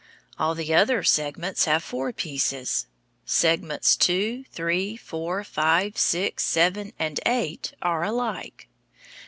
All the other segments have four pieces. Segments two, three, four, five, six, seven, and eight are alike.